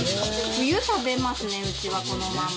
冬食べますねうちはこのまま。